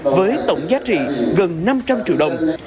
với tổng giá trị gần năm trăm linh triệu đồng